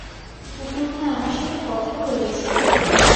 কুকুরটা আমার সাথে কথা বলেছে!